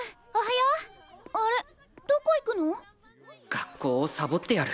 学校をサボってやる。